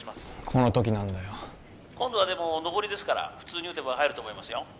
この時なんだよ今度はでものぼりですから普通に打てば入ると思いますよ